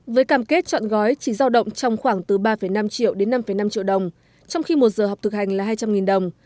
với cam kết chọn gói chỉ giao động trong khoảng từ ba năm triệu đến năm năm triệu đồng trong khi một giờ học thực hành là hai trăm linh đồng